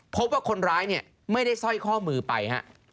พบว่าคนร้ายเนี่ยไม่ได้สร้อยข้อมือไปฮะ